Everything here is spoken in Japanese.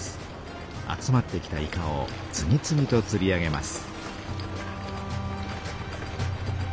集まってきたイカを次々とつり上げます。